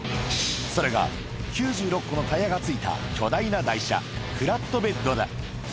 それが９６個のタイヤがついた巨大な台車、フラットベッドだ。